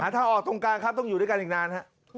ถ้าออกตรงกลางครับต้องอยู่ด้วยกันอีกนานฮะ